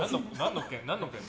何の件？